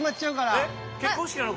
えっ結婚式なの？